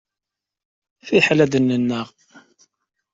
Fiḥel ad nennaɣ!